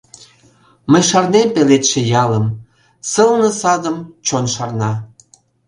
Мый шарнем пеледше ялым, Сылне садым чон шарна.